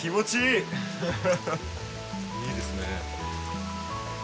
いいですね。